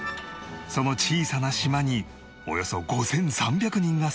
その小さな島におよそ５３００人が生活